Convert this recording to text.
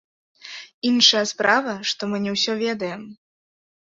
Іншая справа, што мы не ўсё ведаем.